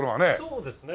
そうですね。